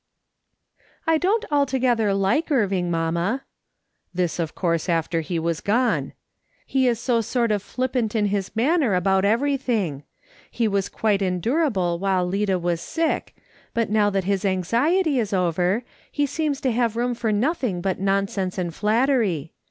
" I don't altogether like Irving, mamma" — this of course after he was gone —" he is so sort of flippant in his manner about everything ; he was quite endurable while Lida was sick, but now that his anxiety is over, he seems to have room for nothing but nonsense and flattery.